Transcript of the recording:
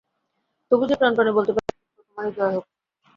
তবু যে প্রাণপণে বলতে পারি, হে সত্য, তোমারই জয় হোক।